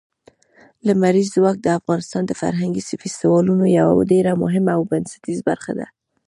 لمریز ځواک د افغانستان د فرهنګي فستیوالونو یوه ډېره مهمه او بنسټیزه برخه ده.